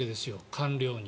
官僚に。